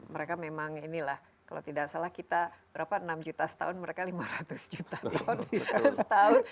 mereka memang inilah kalau tidak salah kita berapa enam juta setahun mereka lima ratus juta ton setahun